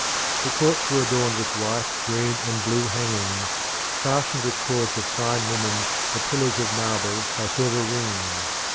The courts were adorned with white, green, and blue hangings, fastened with cords of fine linen to pillars of marble by silver rings.